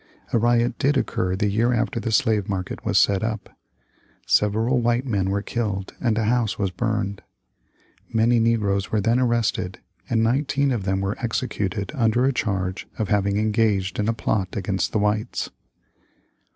A riot did occur the year after the slave market was set up. Several white men were killed and a house was burned. Many negroes were then arrested and nineteen of them were executed under a charge of having engaged in a plot against the whites.